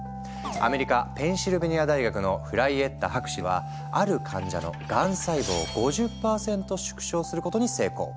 アメリカペンシルベニア大学のフライエッタ博士はある患者のがん細胞を５０％縮小することに成功。